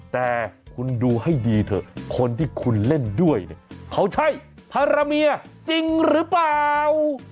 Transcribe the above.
แต่คุณดูให้ดีเถอะคนที่คุณเล่นด้วยเนี่ยเขาใช่ภารเมียจริงหรือเปล่า